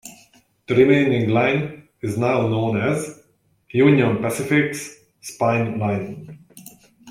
The remaining line is now known as Union Pacific's Spine Line.